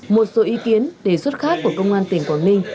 một số ý kiến đề xuất khác của công an tỉnh quảng ninh